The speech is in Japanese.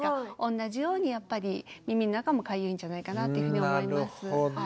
同じようにやっぱり耳の中もかゆいんじゃないかなっていうふうに思います。